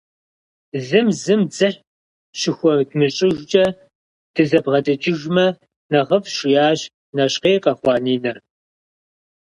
«Зым зым дзыхь щыхуэдмыщӏыжкӏэ, дызэбгъэдэкӏыжымэ нэхъыфӏщ», жиӏащ нэщхъей къэхъуа Нинэ.